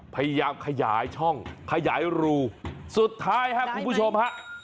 พยายามขยายช่องขยายรูสุดท้ายครับคุณผู้ชมฮะ